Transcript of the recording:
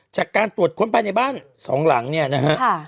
จากการตรวจค้นภายในบ้านสองหลังเนี่ยนะฮะ